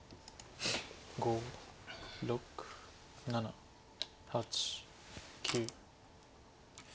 ５６７８９。